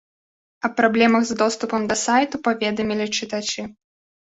Аб праблемах з доступам да сайту паведамілі чытачы.